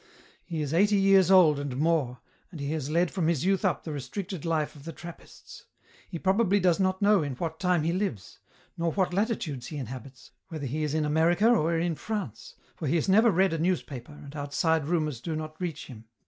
He is eighty years old and more, and he has led from his youth up the restricted life of the Trap pists ; he probably does not know in what time he lives, nor what latitudes he inhabits, whether he is in America or in France, for he has never read a newspaper, and outside rumours do not reach him.